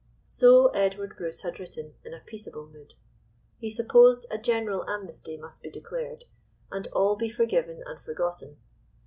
So Edward Bruce had written in a peaceable mood. He supposed a general amnesty must be declared, and all be forgiven and forgotten.